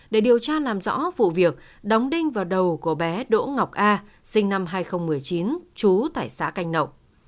để điều tra làm rõ vụ việc đóng đinh vào đầu của bé đỗ ngọc a sinh năm hai nghìn một mươi chín trú tại xã canh nậu